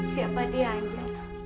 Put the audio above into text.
siapa dia anjar